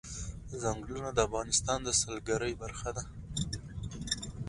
ځنګلونه د افغانستان د سیلګرۍ برخه ده.